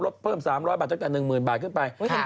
ลดเพิ่ม๓๐๐บาทจนกว่า๑๐๐๐๐บาทขึ้นไป